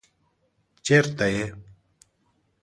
چېرته يې؟